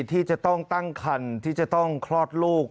ที่จะต้องตั้งคันที่จะต้องคลอดลูก